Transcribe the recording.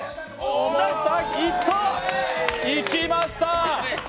いった、いきました。